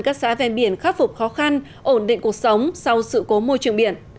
các xã ven biển khắc phục khó khăn ổn định cuộc sống sau sự cố môi trường biển